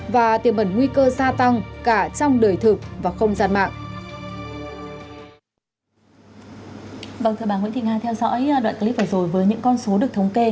và tiềm ẩn nguy cơ gia tăng cả trong đời thực và không gian mạng